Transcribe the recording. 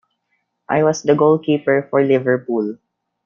I was the goalkeeper for Liverpool.